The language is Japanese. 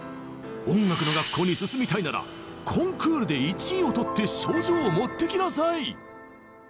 音楽の学校に進みたいならコンクールで１位を取って賞状を持ってきなさい！